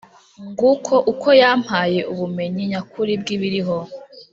Nguko uko yampaye ubumenyi nyakuri bw’ibiriho,